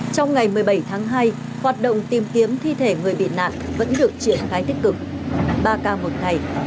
trong ngày một mươi bảy tháng hai hoạt động tìm kiếm thi thể người bị nạn vẫn được triển khai tích cực ba ca một ngày